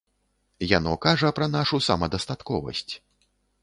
Яно кажа пра нашу самадастатковасць.